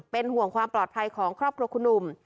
เป็นห่วงความปลอดภัยของครอบครัวคุณหนุ่ม